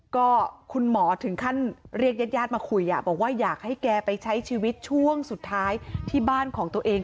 ก็คุณหมอถึงขั้นเรียกญาติญาติมาคุยบอกว่าอยากให้แกไปใช้ชีวิตช่วงสุดท้ายที่บ้านของตัวเอง